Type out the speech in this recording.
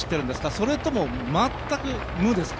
それとも全く無ですか？